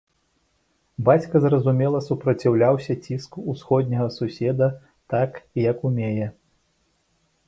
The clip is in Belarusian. Бацька, зразумела, супраціўляецца ціску ўсходняга суседа так, як умее.